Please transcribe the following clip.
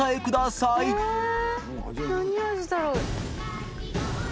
えぇ何味だろう？